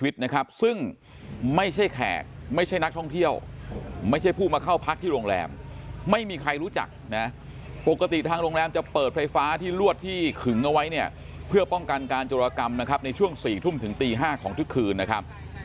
ที่ลวดที่ขึงเอาไว้เนี่ยเพื่อป้องกันการจุรกรรมนะครับในช่วงสี่ทุ่มถึงตีห้าของทุกคืนนะครับ